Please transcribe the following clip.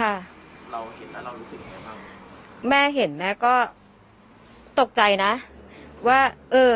ค่ะเราเห็นแล้วเรารู้สึกยังไงบ้างแม่เห็นแม่ก็ตกใจนะว่าเออ